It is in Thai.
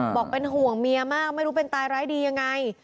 บอกเป็นห่วงเมียมากไม่รู้เป็นตายร้ายดียังไง